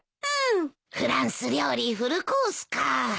うん！フランス料理フルコースか。